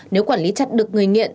nếu quản lý chặt được người nghiện